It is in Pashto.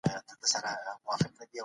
يو بل ته غاړه ورکړو.